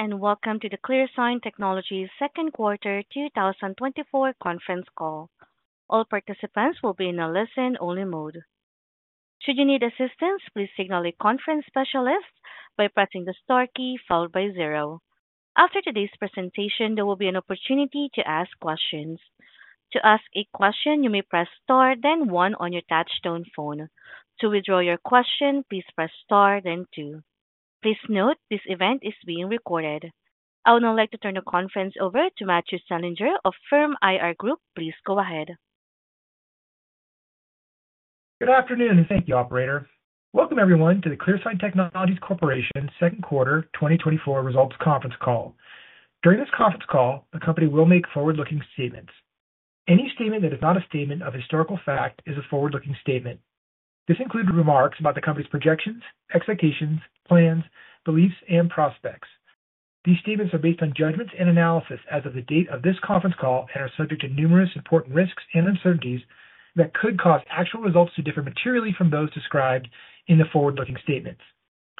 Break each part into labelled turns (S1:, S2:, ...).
S1: Welcome to the ClearSign Technologies' second quarter 2024 conference call. All participants will be in a listen-only mode. Should you need assistance, please signal a conference specialist by pressing the star key followed by zero. After today's presentation, there will be an opportunity to ask questions. To ask a question, you may press star then one on your touchtone phone. To withdraw your question, please press star then two. Please note, this event is being recorded. I would now like to turn the conference over to Matthew Selinger of FIRM IR Group. Please go ahead.
S2: Good afternoon, and thank you, operator. Welcome everyone to the ClearSign Technologies Corporation Second Quarter 2024 Results Conference Call. During this conference call, the company will make forward-looking statements. Any statement that is not a statement of historical fact is a forward-looking statement. This includes remarks about the company's projections, expectations, plans, beliefs, and prospects. These statements are based on judgments and analysis as of the date of this conference call and are subject to numerous important risks and uncertainties that could cause actual results to differ materially from those described in the forward-looking statements.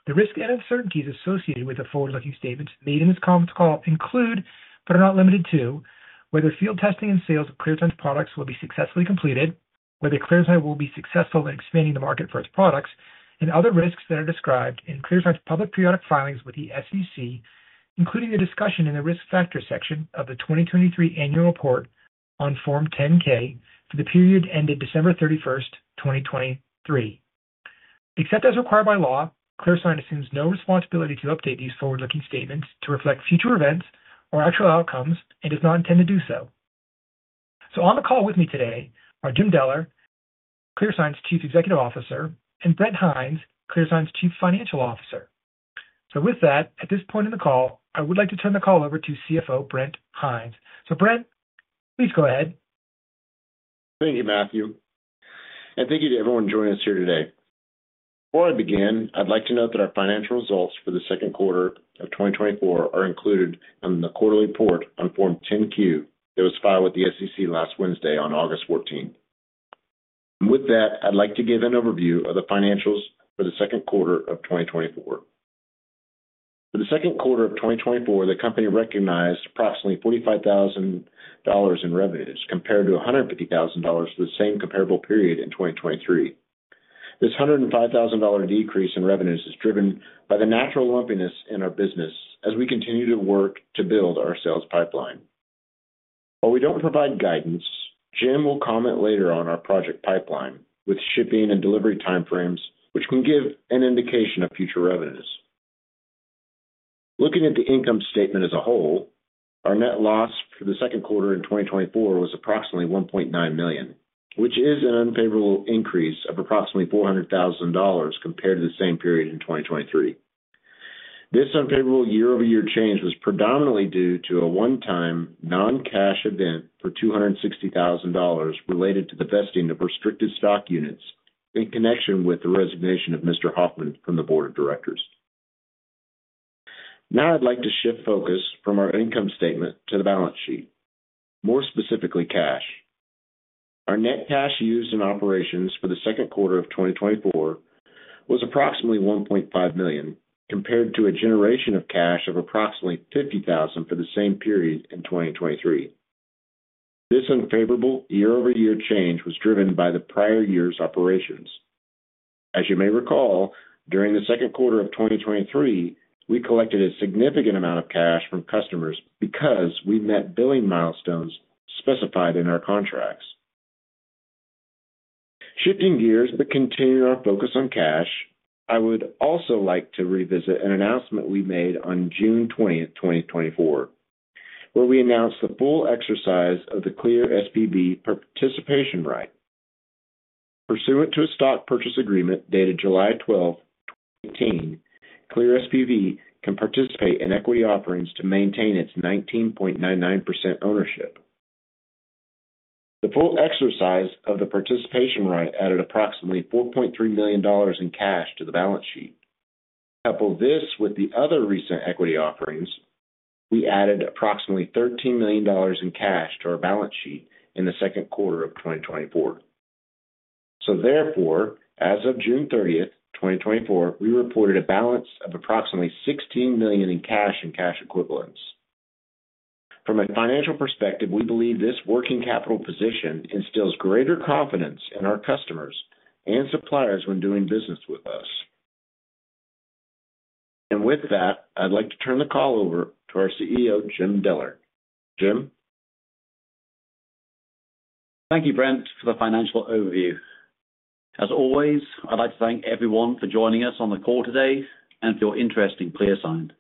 S2: The risks and uncertainties associated with the forward-looking statements made in this conference call include, but are not limited to, whether field testing and sales of ClearSign's products will be successfully completed, whether ClearSign will be successful in expanding the market for its products, and other risks that are described in ClearSign's public periodic filings with the SEC, including the discussion in the Risk Factors section of the 2023 Annual Report on Form 10-K for the period ended December thirty-first, 2023. Except as required by law, ClearSign assumes no responsibility to update these forward-looking statements to reflect future events or actual outcomes and does not intend to do so. So on the call with me today are Jim Deller, ClearSign's Chief Executive Officer, and Brent Hinds, ClearSign's Chief Financial Officer. So with that, at this point in the call, I would like to turn the call over to CFO, Brent Hinds. So Brent, please go ahead.
S3: Thank you, Matthew, and thank you to everyone joining us here today. Before I begin, I'd like to note that our financial results for the second quarter of 2024 are included in the quarterly report on Form 10-Q that was filed with the SEC last Wednesday on August 14th. With that, I'd like to give an overview of the financials for the second quarter of 2024. For the second quarter of 2024, the company recognized approximately $45,000 in revenues, compared to $150,000 for the same comparable period in 2023. This $105,000 decrease in revenues is driven by the natural lumpiness in our business as we continue to work to build our sales pipeline. While we don't provide guidance, Jim will comment later on our project pipeline with shipping and delivery time frames, which can give an indication of future revenues. Looking at the income statement as a whole, our net loss for the second quarter in 2024 was approximately $1.9 million, which is an unfavorable increase of approximately $400,000 compared to the same period in 2023. This unfavorable year-over-year change was predominantly due to a one-time, non-cash event for $260,000 related to the vesting of restricted stock units in connection with the resignation of Mr. Hoffman from the board of directors. Now I'd like to shift focus from our income statement to the balance sheet, more specifically, cash. Our net cash used in operations for the second quarter of 2024 was approximately $1.5 million, compared to a generation of cash of approximately $50,000 for the same period in 2023. This unfavorable year-over-year change was driven by the prior year's operations. As you may recall, during the second quarter of 2023, we collected a significant amount of cash from customers because we met billing milestones specified in our contracts. Shifting gears but continuing our focus on cash, I would also like to revisit an announcement we made on June 20th, 2024, where we announced the full exercise of the ClearSPV participation right. Pursuant to a stock purchase agreement dated July 12th, 2018, ClearSPV can participate in equity offerings to maintain its 19.99% ownership. The full exercise of the participation right added approximately $4.3 million in cash to the balance sheet. Couple this with the other recent equity offerings, we added approximately $13 million in cash to our balance sheet in the second quarter of 2024. So therefore, as of June 30th, 2024, we reported a balance of approximately $16 million in cash and cash equivalents. From a financial perspective, we believe this working capital position instills greater confidence in our customers and suppliers when doing business with us. And with that, I'd like to turn the call over to our CEO, Jim Deller. Jim?
S4: Thank you, Brent, for the financial overview. As always, I'd like to thank everyone for joining us on the call today and for your interest in ClearSign.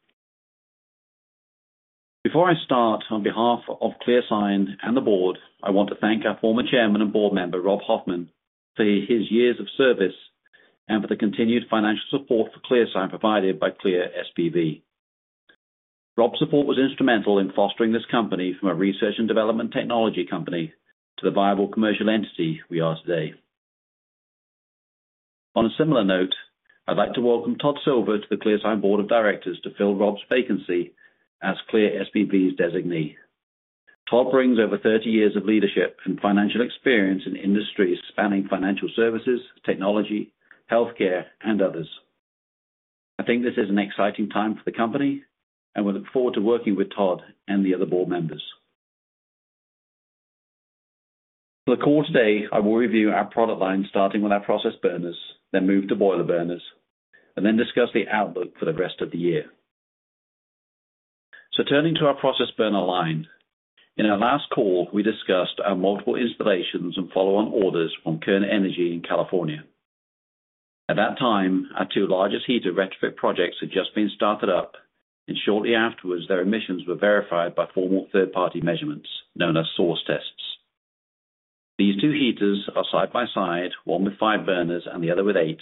S4: Before I start, on behalf of ClearSign and the board, I want to thank our former chairman and board member, Rob Hoffman, for his years of service and for the continued financial support for ClearSign provided by ClearSPV. Rob's support was instrumental in fostering this company from a research and development technology company to the viable commercial entity we are today. On a similar note, I'd like to welcome Todd Silver to the ClearSign board of directors to fill Rob's vacancy as ClearSPV's designee. Todd brings over thirty years of leadership and financial experience in industries spanning financial services, technology, healthcare, and others. I think this is an exciting time for the company, and we look forward to working with Todd and the other board members. For the call today, I will review our product line, starting with our process burners, then move to boiler burners, and then discuss the outlook for the rest of the year. So, turning to our process burner line. In our last call, we discussed our multiple installations and follow-on orders from Kern Energy in California. At that time, our two largest heater retrofit projects had just been started up, and shortly afterwards, their emissions were verified by formal third-party measurements, known as source tests. These two heaters are side by side, one with five burners and the other with eight.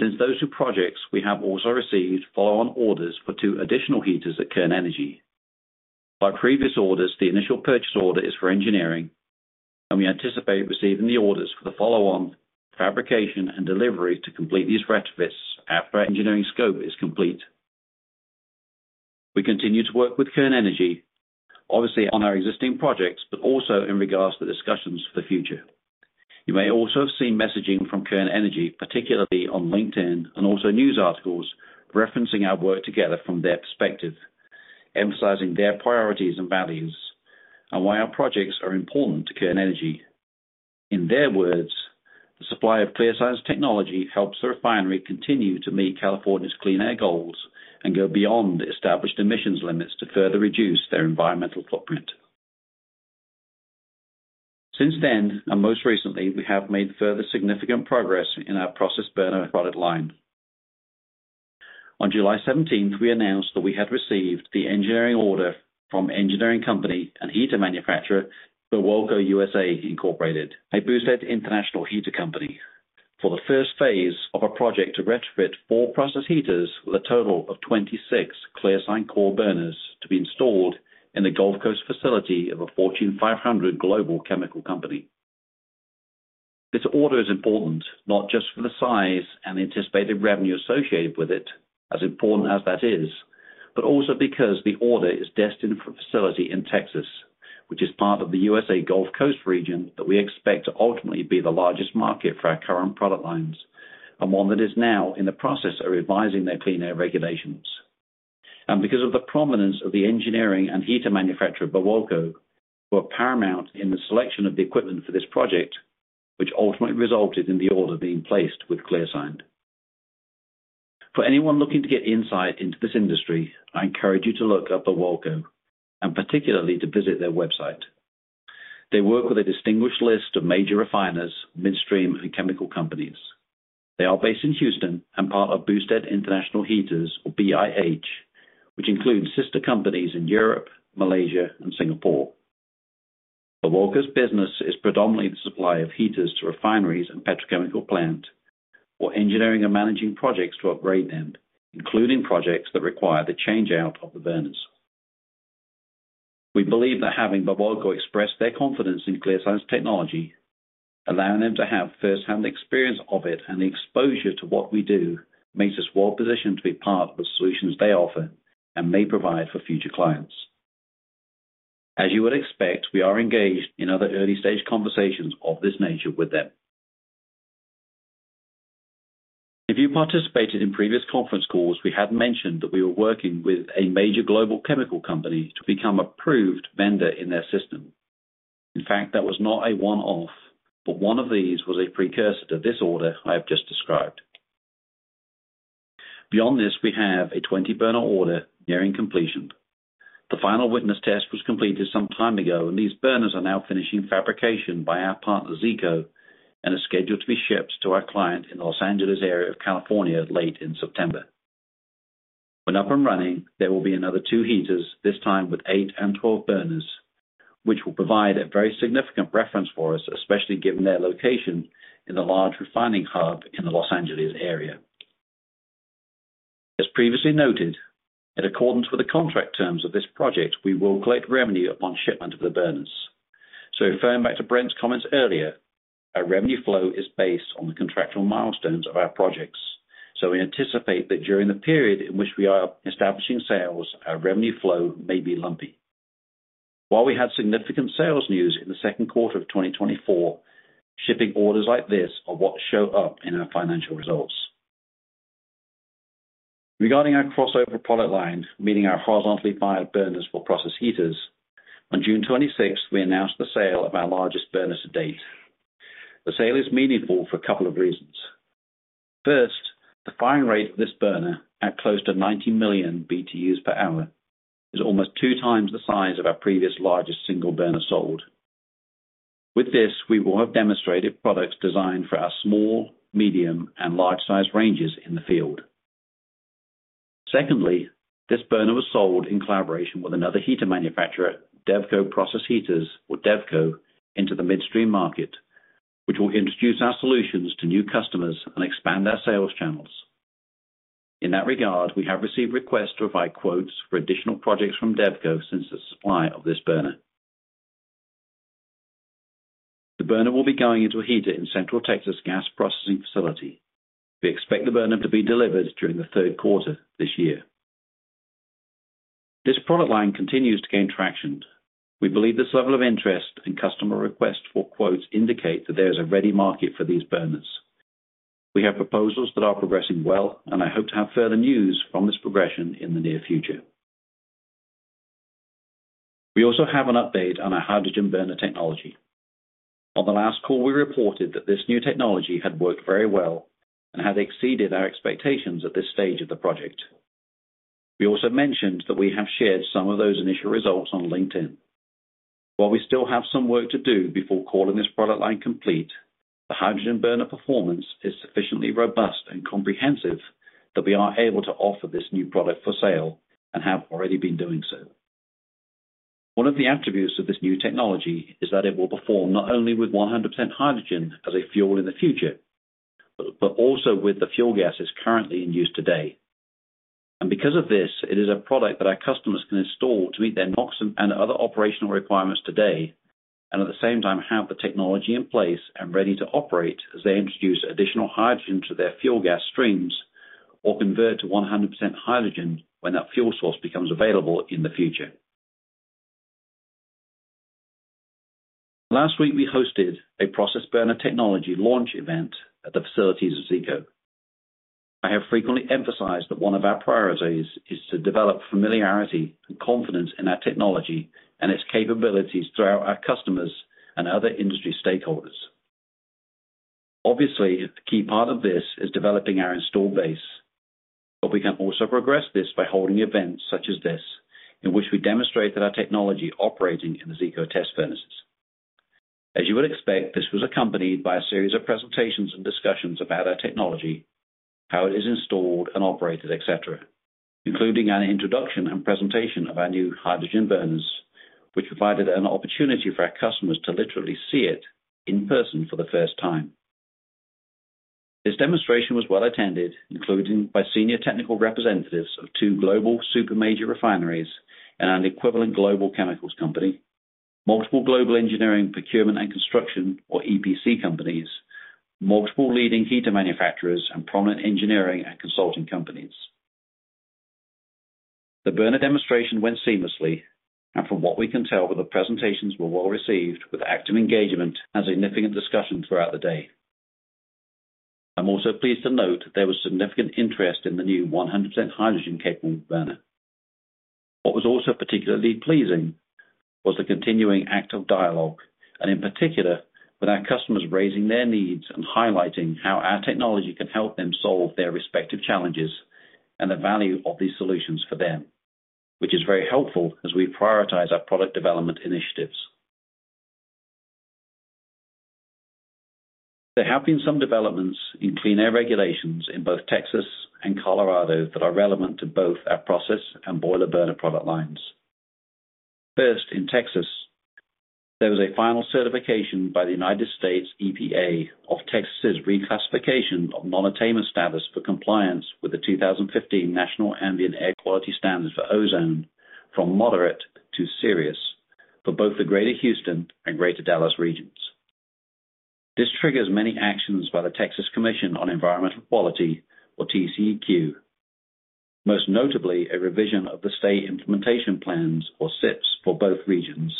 S4: Since those two projects, we have also received follow-on orders for two additional heaters at Kern Energy. By previous orders, the initial purchase order is for engineering, and we anticipate receiving the orders for the follow-on fabrication and delivery to complete these retrofits after our engineering scope is complete. We continue to work with Kern Energy, obviously on our existing projects, but also in regards to discussions for the future. You may also have seen messaging from Kern Energy, particularly on LinkedIn and also news articles, referencing our work together from their perspective, emphasizing their priorities and values and why our projects are important to Kern Energy. In their words, "The supply of ClearSign technology helps the refinery continue to meet California's clean air goals and go beyond established emissions limits to further reduce their environmental footprint." Since then, and most recently, we have made further significant progress in our process burner product line. On July seventeenth, we announced that we had received the engineering order from engineering company and heater manufacturer, Birwelco USA Incorporated, a Boustead International Heaters company, for the first phase of a project to retrofit four process heaters with a total of 26 ClearSign Core burners to be installed in the Gulf Coast facility of a Fortune 500 global chemical company. This order is important, not just for the size and anticipated revenue associated with it, as important as that is, but also because the order is destined for a facility in Texas, which is part of the USA Gulf Coast region that we expect to ultimately be the largest market for our current product lines, and one that is now in the process of revising their clean air regulations, and because of the prominence of the engineering and heater manufacturer, Birwelco, who are paramount in the selection of the equipment for this project, which ultimately resulted in the order being placed with ClearSign. For anyone looking to get insight into this industry, I encourage you to look up Birwelco, and particularly to visit their website. They work with a distinguished list of major refiners, midstream, and chemical companies. They are based in Houston and part of Bousted International Heaters, or BIH, which includes sister companies in Europe, Malaysia, and Singapore. Birwelco's business is predominantly the supply of heaters to refineries and petrochemical plant or engineering and managing projects to upgrade them, including projects that require the changeout of the burners. We believe that having Birwelco express their confidence in ClearSign technology, allowing them to have first-hand experience of it and the exposure to what we do, makes us well positioned to be part of the solutions they offer and may provide for future clients. As you would expect, we are engaged in other early-stage conversations of this nature with them. If you participated in previous conference calls, we had mentioned that we were working with a major global chemical company to become an approved vendor in their system. In fact, that was not a one-off, but one of these was a precursor to this order I have just described. Beyond this, we have a 20-burner order nearing completion. The final witness test was completed some time ago, and these burners are now finishing fabrication by our partner, Zeeco, and are scheduled to be shipped to our client in the Los Angeles area of California, late in September. When up and running, there will be another two heaters, this time with eight and 12 burners, which will provide a very significant reference for us, especially given their location in the large refining hub in the Los Angeles area. As previously noted, in accordance with the contract terms of this project, we will collect revenue upon shipment of the burners. So referring back to Brent's comments earlier, our revenue flow is based on the contractual milestones of our projects. So we anticipate that during the period in which we are establishing sales, our revenue flow may be lumpy. While we had significant sales news in the second quarter of 2024, shipping orders like this are what show up in our financial results. Regarding our crossover product line, meaning our horizontally fired burners for process heaters, on June 26th, we announced the sale of our largest burner to date. The sale is meaningful for a couple of reasons. First, the firing rate of this burner, at close to 90 million BTUs per hour, is almost two times the size of our previous largest single burner sold. With this, we will have demonstrated products designed for our small, medium, and large-size ranges in the field. Secondly, this burner was sold in collaboration with another heater manufacturer, Devco Process Heaters, or Devco, into the midstream market, which will introduce our solutions to new customers and expand our sales channels. In that regard, we have received requests to provide quotes for additional projects from Devco since the supply of this burner. The burner will be going into a heater in Central Texas gas processing facility. We expect the burner to be delivered during the third quarter this year. This product line continues to gain traction. We believe this level of interest and customer request for quotes indicate that there is a ready market for these burners. We have proposals that are progressing well, and I hope to have further news from this progression in the near future. We also have an update on our hydrogen burner technology. On the last call, we reported that this new technology had worked very well and had exceeded our expectations at this stage of the project. We also mentioned that we have shared some of those initial results on LinkedIn. While we still have some work to do before calling this product line complete, the hydrogen burner performance is sufficiently robust and comprehensive that we are able to offer this new product for sale, and have already been doing so. One of the attributes of this new technology is that it will perform not only with 100% hydrogen as a fuel in the future, but also with the fuel gases currently in use today. And because of this, it is a product that our customers can install to meet their NOx and other operational requirements today, and at the same time, have the technology in place and ready to operate as they introduce additional hydrogen to their fuel gas streams, or convert to 100% hydrogen when that fuel source becomes available in the future. Last week, we hosted a process burner technology launch event at the facilities of Zeeco. I have frequently emphasized that one of our priorities is to develop familiarity and confidence in our technology and its capabilities throughout our customers and other industry stakeholders. Obviously, a key part of this is developing our install base, but we can also progress this by holding events such as this, in which we demonstrate that our technology operating in the Zeeco test furnaces. As you would expect, this was accompanied by a series of presentations and discussions about our technology, how it is installed and operated, etc., including an introduction and presentation of our new hydrogen burners, which provided an opportunity for our customers to literally see it in person for the first time. This demonstration was well attended, including by senior technical representatives of two global supermajor refineries and an equivalent global chemicals company, multiple global engineering, procurement and construction or EPC companies, multiple leading heater manufacturers, and prominent engineering and consulting companies. The burner demonstration went seamlessly, and from what we can tell, the presentations were well received with active engagement and significant discussions throughout the day. I'm also pleased to note there was significant interest in the new 100% hydrogen-capable burner. What was also particularly pleasing was the continuing active dialogue, and in particular, with our customers raising their needs and highlighting how our technology can help them solve their respective challenges and the value of these solutions for them, which is very helpful as we prioritize our product development initiatives. There have been some developments in clean air regulations in both Texas and Colorado that are relevant to both our process and boiler burner product lines. First, in Texas, there was a final certification by the U.S. EPA of Texas's reclassification of non-attainment status for compliance with the 2015 National Ambient Air Quality Standards for ozone, from moderate to serious, for both the Greater Houston and Greater Dallas regions. This triggers many actions by the Texas Commission on Environmental Quality, or TCEQ, most notably, a revision of the State Implementation Plans or SIPs for both regions,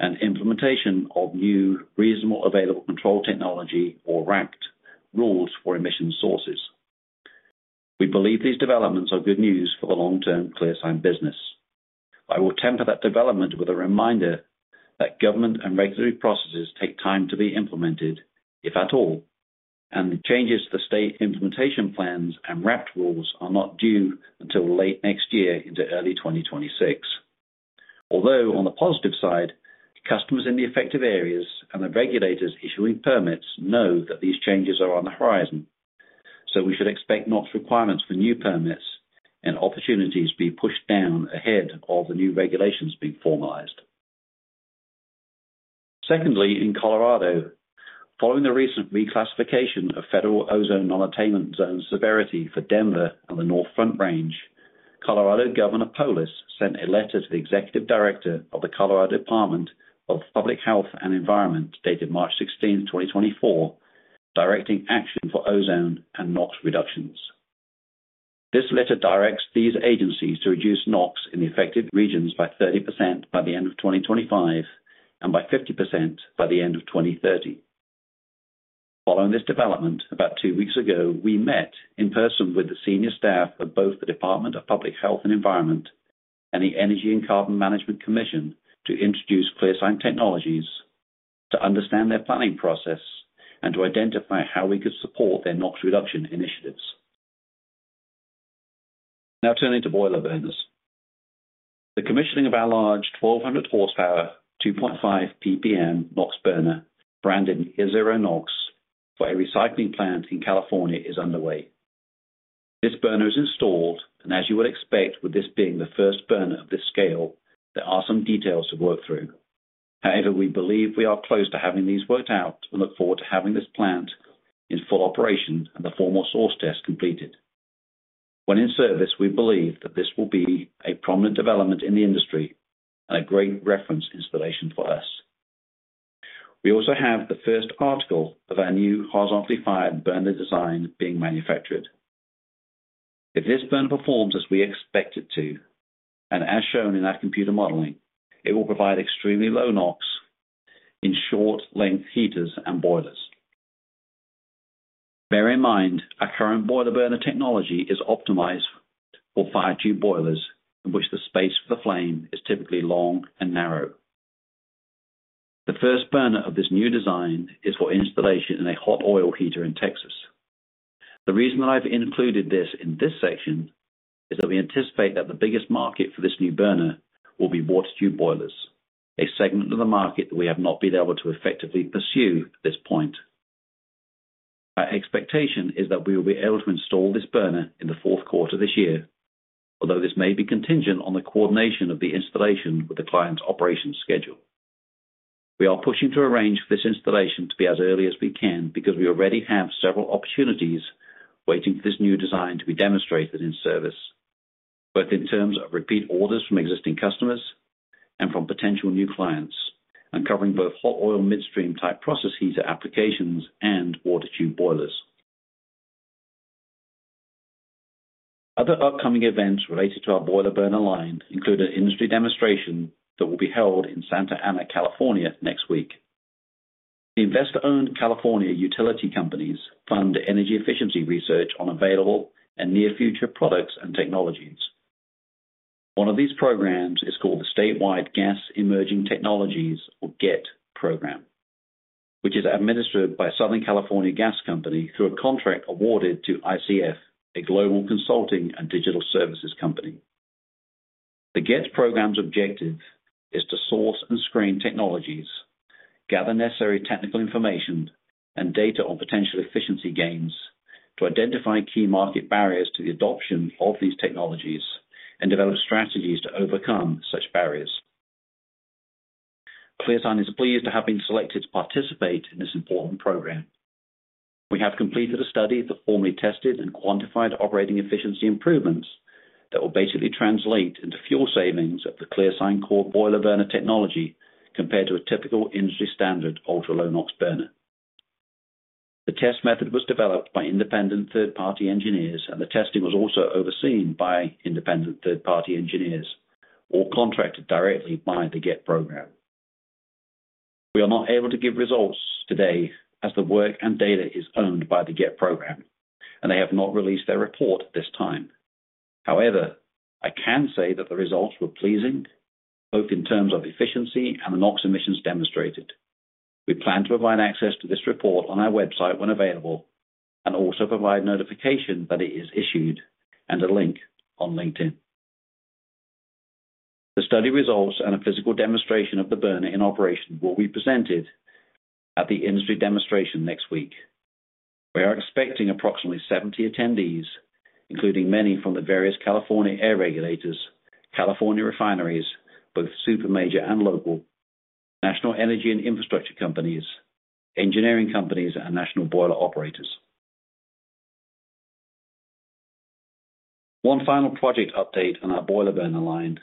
S4: and implementation of new Reasonably Available Control Technology, or RACT, rules for emission sources. We believe these developments are good news for the long-term ClearSign business. I will temper that development with a reminder that government and regulatory processes take time to be implemented, if at all, and the changes to the state implementation plans and RACT rules are not due until late next year into early 2026. Although on the positive side, customers in the affected areas and the regulators issuing permits know that these changes are on the horizon, so we should expect NOx requirements for new permits and opportunities be pushed down ahead of the new regulations being formalized. Secondly, in Colorado, following the recent reclassification of federal ozone non-attainment zone severity for Denver and the North Front Range, Colorado Governor Polis sent a letter to the Executive Director of the Colorado Department of Public Health and Environment, dated March 16th, 2024, directing action for ozone and NOx reductions. This letter directs these agencies to reduce NOx in the affected regions by 30% by the end of 2025, and by 50% by the end of 2030. Following this development, about two weeks ago, we met in person with the senior staff of both the Department of Public Health and Environment and the Energy and Carbon Management Commission to introduce ClearSign Technologies, to understand their planning process and to identify how we could support their NOx reduction initiatives. Now turning to boiler burners. The commissioning of our large 1,200 horsepower, 2.5 ppm NOx burner, branded as Zero-NOx, for a recycling plant in California, is underway. This burner is installed, and as you would expect, with this being the first burner of this scale, there are some details to work through. However, we believe we are close to having these worked out, and look forward to having this plant in full operation and the formal source test completed. When in service, we believe that this will be a prominent development in the industry and a great reference installation for us. We also have the first article of our new horizontally fired burner design being manufactured. If this burner performs as we expect it to, and as shown in our computer modeling, it will provide extremely low NOx in short length heaters and boilers. Bear in mind, our current boiler burner technology is optimized for fire tube boilers, in which the space for the flame is typically long and narrow. The first burner of this new design is for installation in a hot oil heater in Texas. The reason I've included this in this section, is that we anticipate that the biggest market for this new burner will be water tube boilers, a segment of the market that we have not been able to effectively pursue at this point. Our expectation is that we will be able to install this burner in the fourth quarter this year, although this may be contingent on the coordination of the installation with the client's operations schedule. We are pushing to arrange for this installation to be as early as we can, because we already have several opportunities waiting for this new design to be demonstrated in service, both in terms of repeat orders from existing customers and from potential new clients, and covering both hot oil midstream type process heater applications and water tube boilers. Other upcoming events related to our boiler burner line include an industry demonstration that will be held in Santa Ana, California, next week. The investor-owned California utility companies fund energy efficiency research on available and near future products and technologies. One of these programs is called the Statewide Gas Emerging Technologies, or GET Program, which is administered by Southern California Gas Company through a contract awarded to ICF, a global consulting and digital services company. The GET Program's objective is to source and screen technologies, gather necessary technical information and data on potential efficiency gains, to identify key market barriers to the adoption of these technologies, and develop strategies to overcome such barriers. ClearSign is pleased to have been selected to participate in this important program. We have completed a study that formally tested and quantified operating efficiency improvements that will basically translate into fuel savings of the ClearSign Core boiler burner technology, compared to a typical industry standard ultra-low NOx burner. The test method was developed by independent third-party engineers, and the testing was also overseen by independent third-party engineers, all contracted directly by the GET Program. We are not able to give results today as the work and data is owned by the GET Program, and they have not released their report at this time. However, I can say that the results were pleasing, both in terms of efficiency and the NOx emissions demonstrated. We plan to provide access to this report on our website when available, and also provide notification that it is issued and a link on LinkedIn. The study results and a physical demonstration of the burner in operation will be presented at the industry demonstration next week. We are expecting approximately 70 attendees, including many from the various California air regulators, California refineries, both super, major, and local, national energy and infrastructure companies, engineering companies, and national boiler operators. One final project update on our boiler burner line.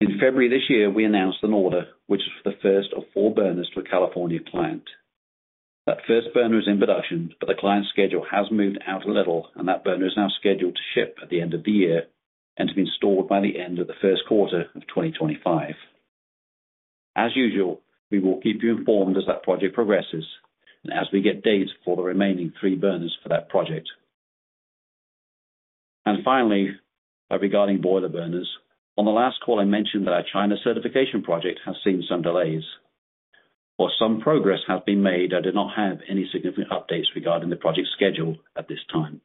S4: In February this year, we announced an order, which is for the first of four burners to a California client. That first burner is in production, but the client's schedule has moved out a little, and that burner is now scheduled to ship at the end of the year and to be installed by the end of the first quarter of 2025. As usual, we will keep you informed as that project progresses and as we get dates for the remaining three burners for that project. And finally, regarding boiler burners, on the last call, I mentioned that our China certification project has seen some delays. While some progress has been made, I do not have any significant updates regarding the project schedule at this time.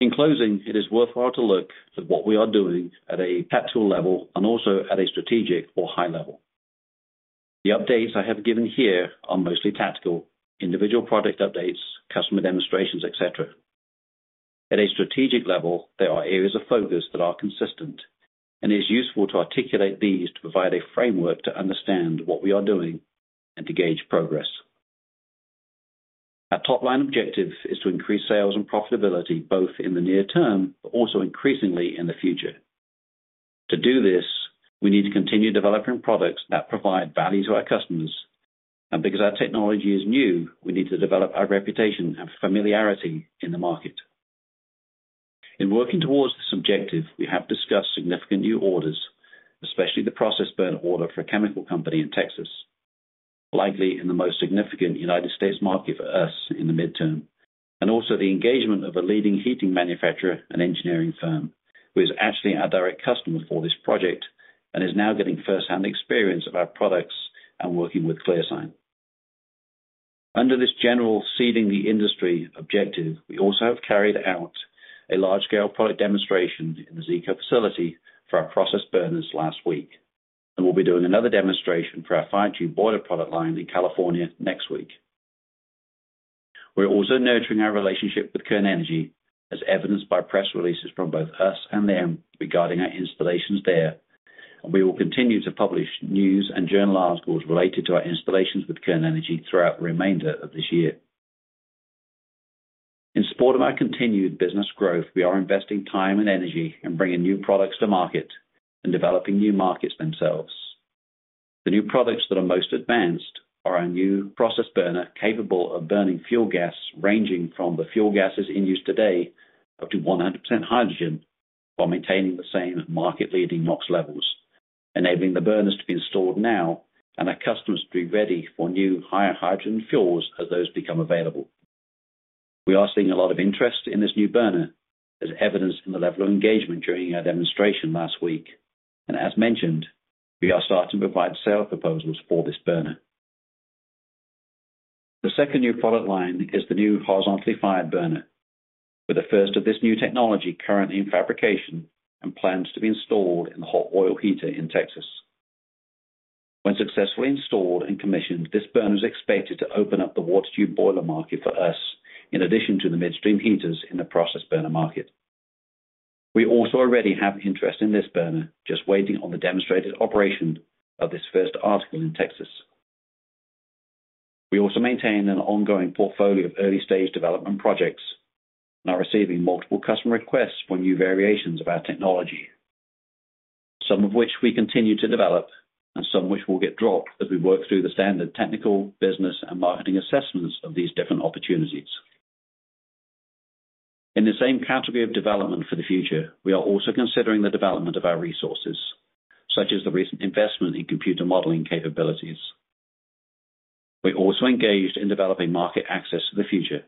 S4: In closing, it is worthwhile to look at what we are doing at a tactical level and also at a strategic or high level. The updates I have given here are mostly tactical, individual product updates, customer demonstrations, etc. At a strategic level, there are areas of focus that are consistent, and it is useful to articulate these to provide a framework to understand what we are doing and to gauge progress. Our top line objective is to increase sales and profitability, both in the near term, but also increasingly in the future. To do this, we need to continue developing products that provide value to our customers, and because our technology is new, we need to develop our reputation and familiarity in the market. In working towards this objective, we have discussed significant new orders, especially the process burner order for a chemical company in Texas, likely in the most significant United States market for us in the mid-term, and also the engagement of a leading heating manufacturer and engineering firm, who is actually our direct customer for this project and is now getting firsthand experience of our products and working with ClearSign. Under this general seeding the industry objective, we also have carried out a large-scale product demonstration in the Zeeco facility for our process burners last week, and we'll be doing another demonstration for our fire tube boiler product line in California next week. We're also nurturing our relationship with Kern Energy, as evidenced by press releases from both us and them regarding our installations there. And we will continue to publish news and journal articles related to our installations with Kern Energy throughout the remainder of this year. In support of our continued business growth, we are investing time and energy in bringing new products to market and developing new markets themselves. The new products that are most advanced are our new process burner, capable of burning fuel gas, ranging from the fuel gases in use today, up to 100% hydrogen, while maintaining the same market-leading NOx levels, enabling the burners to be installed now and our customers to be ready for new higher hydrogen fuels as those become available. We are seeing a lot of interest in this new burner, as evidenced in the level of engagement during our demonstration last week. And as mentioned, we are starting to provide sales proposals for this burner. The second new product line is the new horizontally fired burner, with the first of this new technology currently in fabrication and plans to be installed in the hot oil heater in Texas. When successfully installed and commissioned, this burner is expected to open up the water tube boiler market for us, in addition to the midstream heaters in the process burner market. We also already have interest in this burner, just waiting on the demonstrated operation of this first article in Texas. We also maintain an ongoing portfolio of early-stage development projects and are receiving multiple customer requests for new variations of our technology, some of which we continue to develop and some which will get dropped as we work through the standard technical, business, and marketing assessments of these different opportunities. In the same category of development for the future, we are also considering the development of our resources, such as the recent investment in computer modeling capabilities. We also engaged in developing market access to the future.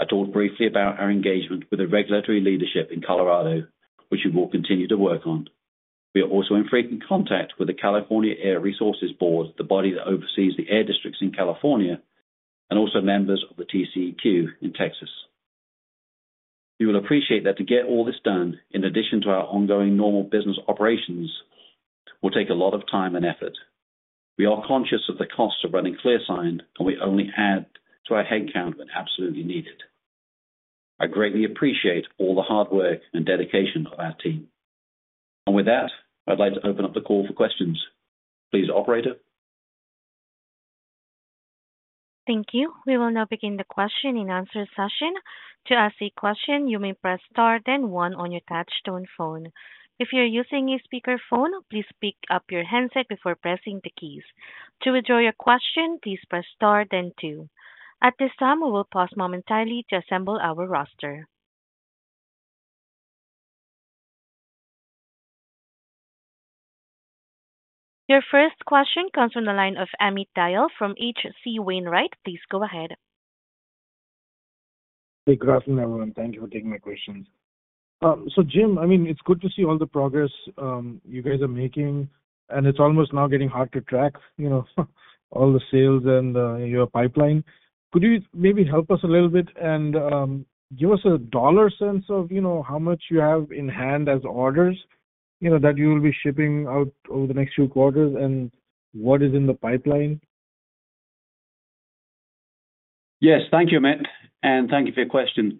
S4: I talked briefly about our engagement with the regulatory leadership in Colorado, which we will continue to work on. We are also in frequent contact with the California Air Resources Board, the body that oversees the air districts in California, and also members of the TCEQ in Texas. You will appreciate that to get all this done, in addition to our ongoing normal business operations, will take a lot of time and effort. We are conscious of the cost of running ClearSign, and we only add to our headcount when absolutely needed. I greatly appreciate all the hard work and dedication of our team. With that, I'd like to open up the call for questions. Please, operator.
S1: Thank you. We will now begin the question and answer session. To ask a question, you may press star then one on your touchtone phone. If you're using a speakerphone, please pick up your handset before pressing the keys. To withdraw your question, please press star then two. At this time, we will pause momentarily to assemble our roster. Your first question comes from the line of Amit Dayal from H.C. Wainwright. Please go ahead.
S5: Hey, good afternoon, everyone. Thank you for taking my questions. So, Jim, I mean, it's good to see all the progress, you guys are making, and it's almost now getting hard to track, you know, all the sales and your pipeline. Could you maybe help us a little bit and give us a dollar sense of, you know, how much you have in hand as orders, you know, that you'll be shipping out over the next few quarters and what is in the pipeline?
S4: Yes. Thank you, Amit, and thank you for your question.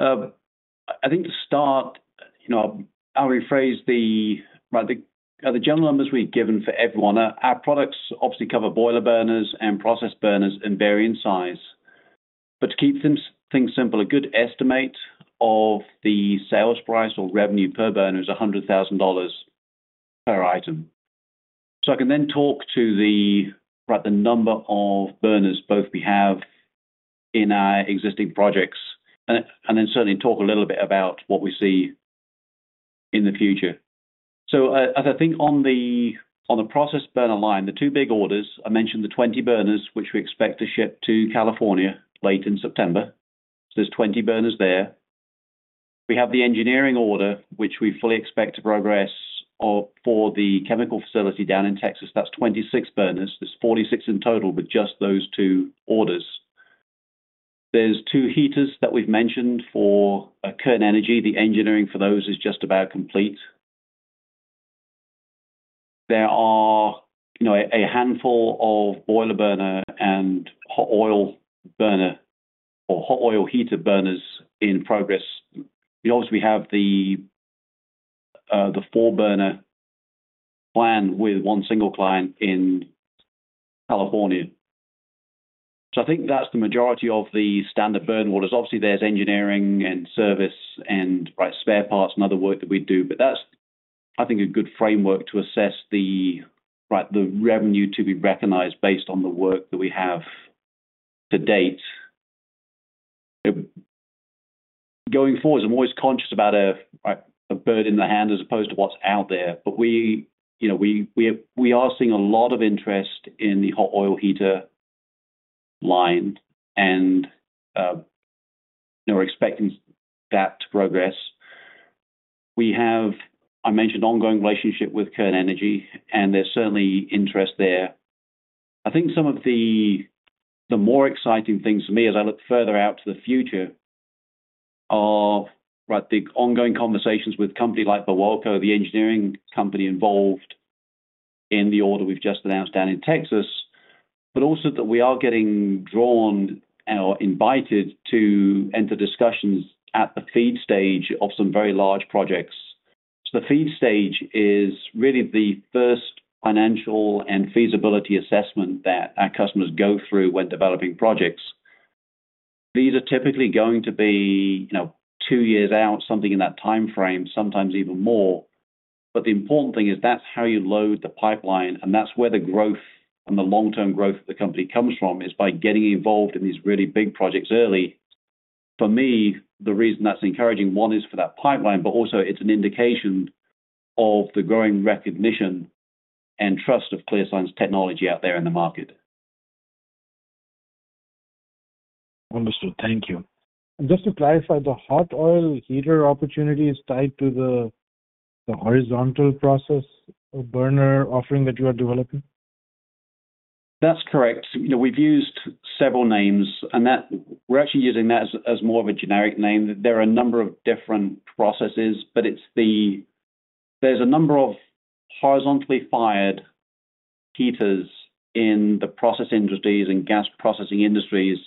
S4: I think to start, you know, I'll rephrase the right, the general numbers we've given for everyone. Our products obviously cover boiler burners and process burners in varying size. But to keep things simple, a good estimate of the sales price or revenue per burner is $100,000 per item. So I can then talk to the right, the number of burners, both we have in our existing projects, and then certainly talk a little bit about what we see in the future. So as I think on the process burner line, the two big orders, I mentioned the 20 burners, which we expect to ship to California late in September. So there's 20 burners there. We have the engineering order, which we fully expect to progress, for the chemical facility down in Texas. That's twenty-six burners. There's forty-six in total, but just those two orders. There's two heaters that we've mentioned for, Kern Energy. The engineering for those is just about complete. There are, you know, a handful of boiler burner and hot oil burner or hot oil heater burners in progress. We obviously have the, the four-burner plan with one single client in California. So I think that's the majority of the standard burner orders. Obviously, there's engineering and service and, right, spare parts and other work that we do, but that's, I think, a good framework to assess the, right, the revenue to be recognized based on the work that we have to date. Going forward, I'm always conscious about right, a bird in the hand as opposed to what's out there. But we, you know, we are seeing a lot of interest in the hot oil heater line and we're expecting that to progress. We have, I mentioned, ongoing relationship with Kern Energy, and there's certainly interest there. I think some of the more exciting things for me as I look further out to the future are right, the ongoing conversations with company like Birwelco, the engineering company involved in the order we've just announced down in Texas, but also that we are getting drawn or invited to enter discussions at the FEED stage of some very large projects. The FEED stage is really the first financial and feasibility assessment that our customers go through when developing projects. These are typically going to be, you know, two years out, something in that time frame, sometimes even more. But the important thing is that's how you load the pipeline, and that's where the growth and the long-term growth of the company comes from, is by getting involved in these really big projects early. For me, the reason that's encouraging, one, is for that pipeline, but also it's an indication of the growing recognition and trust of ClearSign's technology out there in the market.
S5: Understood. Thank you. Just to clarify, the hot oil heater opportunity is tied to the horizontal process or burner offering that you are developing?
S4: That's correct. You know, we've used several names, and that we're actually using that as more of a generic name. There are a number of different processes, but there's a number of horizontally fired heaters in the process industries and gas processing industries,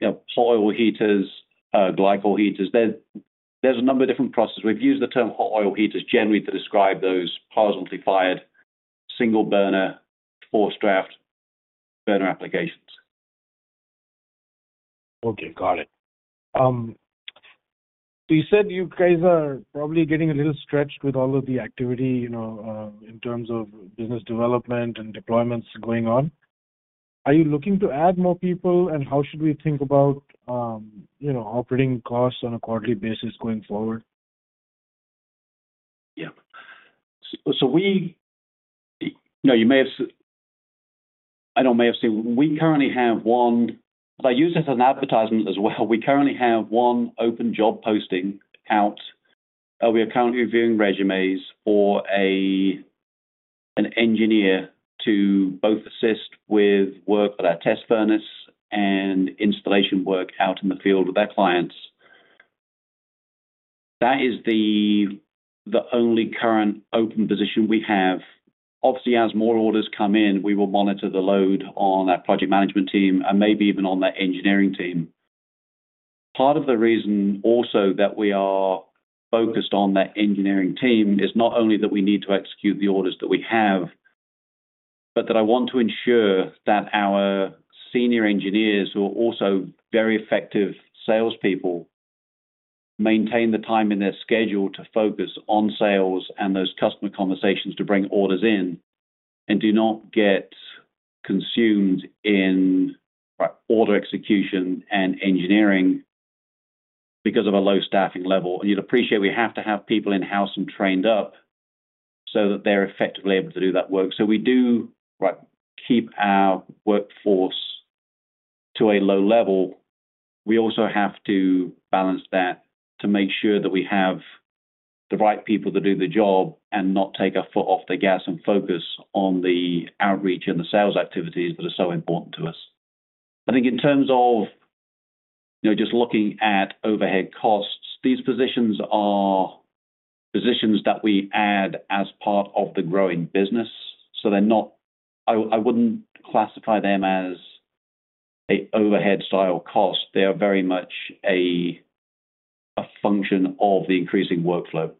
S4: you know, soil heaters, glycol heaters. There's a number of different processes. We've used the term hot oil heaters generally to describe those horizontally fired, single burner, forced draft burner applications.
S5: Okay, got it. You said you guys are probably getting a little stretched with all of the activity, you know, in terms of business development and deployments going on. Are you looking to add more people, and how should we think about, you know, operating costs on a quarterly basis going forward?
S4: Yeah. You know, you may have seen. I don't know if you may have seen. We currently have one. If I use this as an advertisement as well, we currently have one open job posting out. We are currently reviewing resumes for an engineer to both assist with work with our test furnace and installation work out in the field with our clients. That is the only current open position we have. Obviously, as more orders come in, we will monitor the load on that project management team and maybe even on the engineering team. Part of the reason also that we are focused on that engineering team is not only that we need to execute the orders that we have, but that I want to ensure that our senior engineers, who are also very effective salespeople, maintain the time in their schedule to focus on sales and those customer conversations to bring orders in, and do not get consumed in order execution and engineering because of a low staffing level, and you'd appreciate we have to have people in-house and trained up so that they're effectively able to do that work, so we do, like, keep our workforce to a low level. We also have to balance that to make sure that we have the right people to do the job and not take our foot off the gas and focus on the outreach and the sales activities that are so important to us. I think in terms of, you know, just looking at overhead costs, these positions are positions that we add as part of the growing business, so they're not. I wouldn't classify them as a overhead style cost. They are very much a function of the increasing workflow.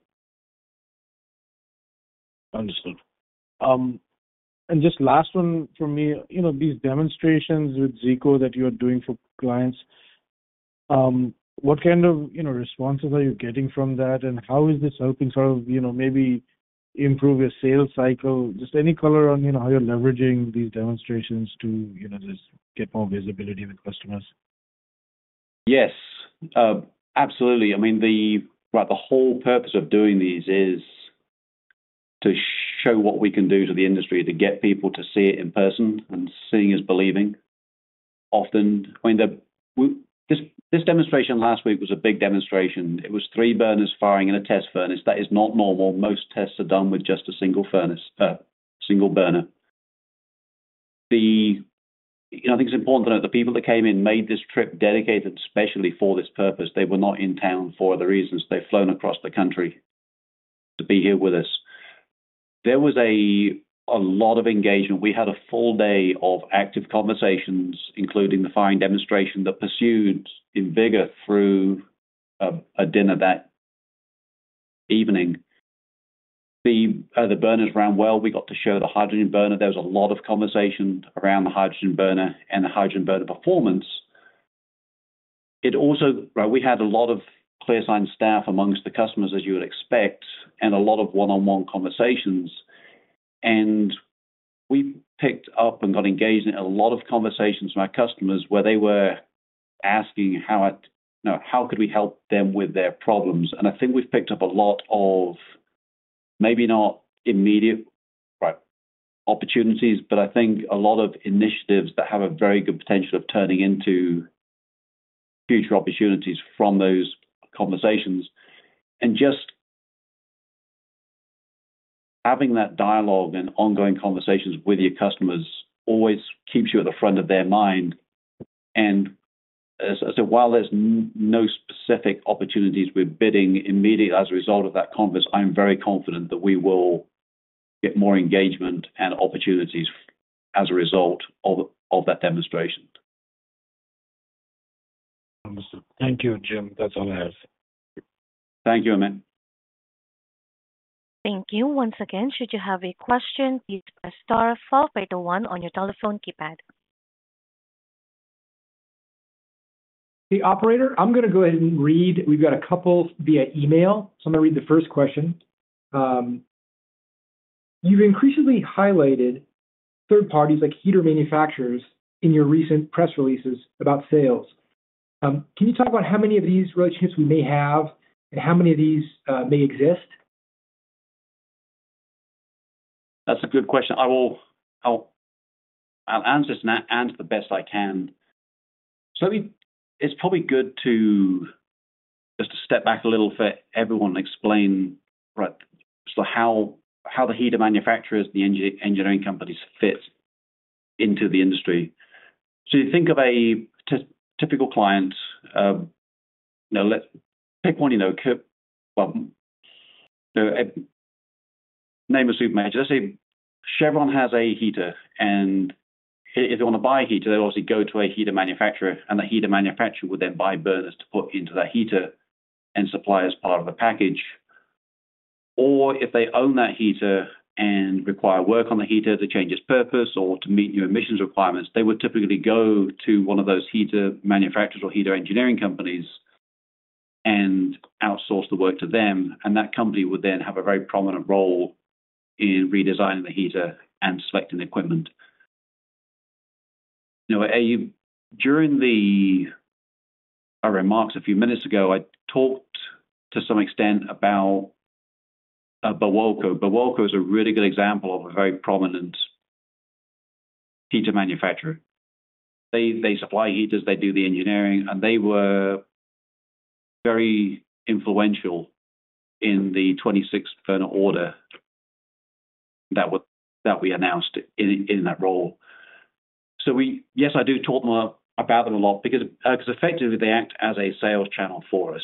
S5: Understood. And just last one for me. You know, these demonstrations with Zeeco that you are doing for clients, what kind of, you know, responses are you getting from that, and how is this helping sort of, you know, maybe improve your sales cycle? Just any color on, you know, how you're leveraging these demonstrations to, you know, just get more visibility with customers?
S4: Yes, absolutely. I mean, the, like, the whole purpose of doing these is to show what we can do to the industry, to get people to see it in person, and seeing is believing. Often, I mean, this demonstration last week was a big demonstration. It was three burners firing in a test furnace. That is not normal. Most tests are done with just a single furnace, single burner. You know, I think it's important to note, the people that came in made this trip dedicated especially for this purpose. They were not in town for other reasons. They've flown across the country to be here with us. There was a lot of engagement. We had a full day of active conversations, including the firing demonstration, that pursued with vigor through a dinner that evening. The burners ran well. We got to show the hydrogen burner. There was a lot of conversation around the hydrogen burner and the hydrogen burner performance. It also. Well, we had a lot of ClearSign staff amongst the customers, as you would expect, and a lot of one-on-one conversations, and we picked up and got engaged in a lot of conversations from our customers, where they were asking, how, you know, how could we help them with their problems? And I think we've picked up a lot of maybe not immediate, right, opportunities, but I think a lot of initiatives that have a very good potential of turning into future opportunities from those conversations. And just having that dialogue and ongoing conversations with your customers always keeps you at the front of their mind.... While there's no specific opportunities we're bidding immediately as a result of that conference, I'm very confident that we will get more engagement and opportunities as a result of that demonstration.
S5: Understood. Thank you, Jim. That's all I have.
S4: Thank you, Amit.
S1: Thank you. Once again, should you have a question, please press star four followed by the one on your telephone keypad.
S2: Hey, operator, I'm gonna go ahead and read. We've got a couple via email, so I'm gonna read the first question. You've increasingly highlighted third parties like heater manufacturers in your recent press releases about sales. Can you talk about how many of these relationships we may have and how many of these may exist?
S4: That's a good question. I'll answer this, and answer the best I can. So let me. It's probably good to just step back a little for everyone and explain, right, so how the heater manufacturers, the engineering companies fit into the industry. So you think of a typical client, now let's pick one, you know, well, name a super major. Let's say Chevron has a heater, and if they want to buy a heater, they'll obviously go to a heater manufacturer, and the heater manufacturer will then buy burners to put into that heater and supply as part of a package. Or if they own that heater and require work on the heater to change its purpose or to meet new emissions requirements, they would typically go to one of those heater manufacturers or heater engineering companies and outsource the work to them, and that company would then have a very prominent role in redesigning the heater and selecting the equipment. Now, during our remarks a few minutes ago, I talked to some extent about Birwelco. Birwelco is a really good example of a very prominent heater manufacturer. They supply heaters, they do the engineering, and they were very influential in the 26-burner order that we announced in that role. So yes, I do talk more about them a lot because effectively, they act as a sales channel for us.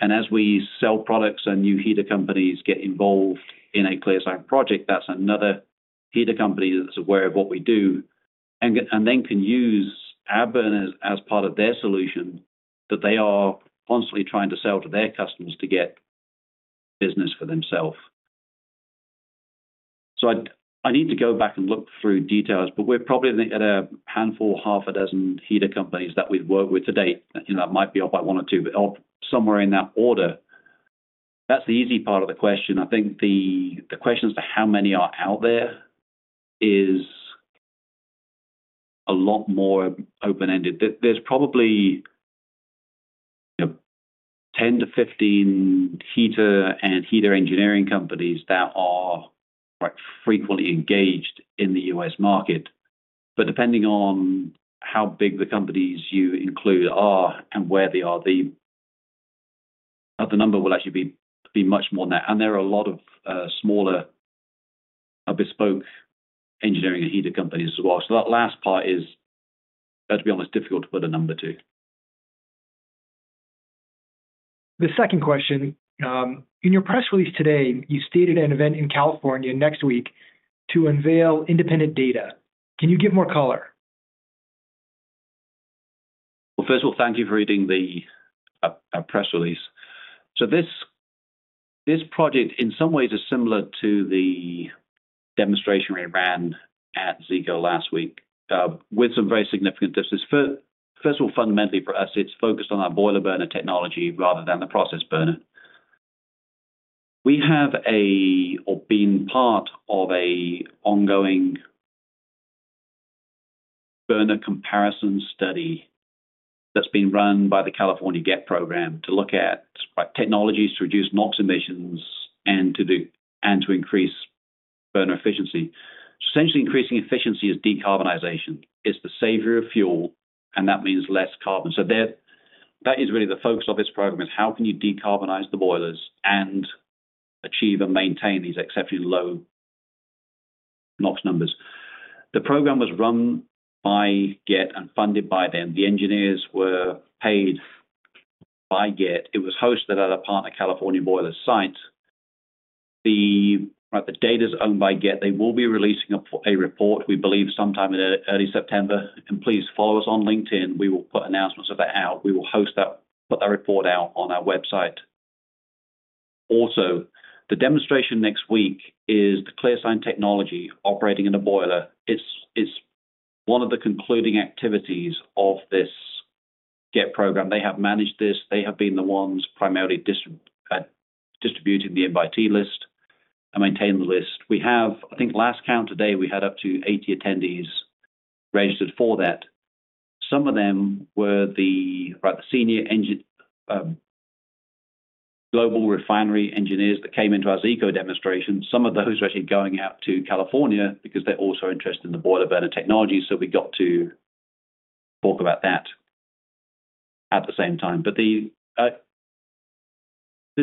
S4: And as we sell products and new heater companies get involved in a ClearSign project, that's another heater company that's aware of what we do and then can use our burners as part of their solution, that they are constantly trying to sell to their customers to get business for themselves. So I need to go back and look through details, but we're probably looking at a handful, half a dozen heater companies that we've worked with to date. You know, that might be off by one or two, but of somewhere in that order. That's the easy part of the question. I think the questions to how many are out there is a lot more open-ended. There's probably, you know, 10 to 15 heater and heater engineering companies that are quite frequently engaged in the U.S. market. But depending on how big the companies you include are and where they are, the number will actually be much more than that. And there are a lot of smaller bespoke engineering and heater companies as well. So that last part is, let's be honest, difficult to put a number to.
S2: The second question. In your press release today, you stated an event in California next week to unveil independent data. Can you give more color?
S4: Well, first of all, thank you for reading our press release. This project, in some ways, is similar to the demonstration we ran at Zeeco last week, with some very significant differences. First of all, fundamentally for us, it's focused on our boiler burner technology rather than the process burner. We have been part of an ongoing burner comparison study that's being run by the California GET program to look at technologies to reduce NOx emissions and to increase burner efficiency. Essentially, increasing efficiency is decarbonization. It's the savior of fuel, and that means less carbon. That is really the focus of this program, is how can you decarbonize the boilers and achieve and maintain these exceptionally low NOx numbers? The program was run by GET and funded by them. The engineers were paid by GET. It was hosted at a partner, California Boiler Site. The data is owned by GET. They will be releasing a report, we believe, sometime in early September, and please follow us on LinkedIn. We will put announcements of that out. We will host that, put that report out on our website. Also, the demonstration next week is the ClearSign technology operating in a boiler. It's one of the concluding activities of this GET program. They have managed this. They have been the ones primarily distributing the invitee list and maintaining the list. We have, I think last count today, we had up to 80 attendees registered for that. Some of them were the senior global refinery engineers that came into our Zeeco demonstration. Some of those are actually going out to California because they're also interested in the boiler burner technology, so we got to talk about that at the same time. But this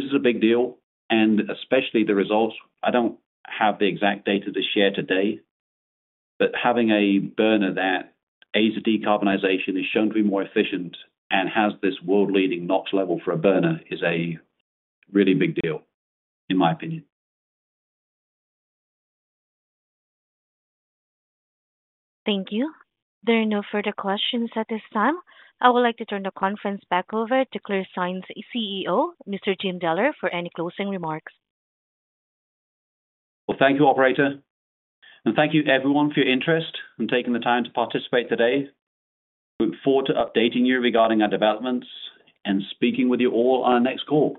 S4: is a big deal, and especially the results. I don't have the exact data to share today, but having a burner that aids decarbonization is shown to be more efficient and has this world-leading NOx level for a burner, is a really big deal, in my opinion.
S1: Thank you. There are no further questions at this time. I would like to turn the conference back over to ClearSign's CEO, Mr. Jim Deller, for any closing remarks.
S4: Thank you, operator, and thank you, everyone, for your interest and taking the time to participate today. We look forward to updating you regarding our developments and speaking with you all on our next call.